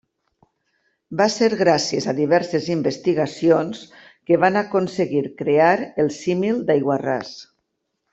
Va ser gràcies a diverses investigacions que van aconseguir crear el Símil d'aiguarràs.